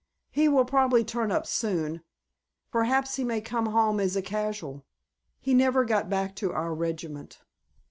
He will probably turn up soon. Perhaps he may come home as a casual. He never got back to our regiment."